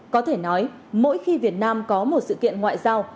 có thể nói mỗi khi việt nam có một sự kiện ngoại giao